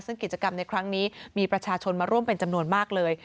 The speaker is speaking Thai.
ซึ่งกิจกรรมในครั้งนี้มีประชาชนมาร่วมเป็นจำนวนมากเลย